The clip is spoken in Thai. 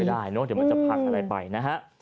เดี๋ยวมันจะพักอะไรไปนะฮะ